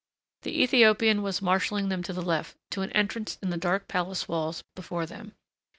The Ethiopian was marshaling them to the left, to an entrance in the dark palace walls before them.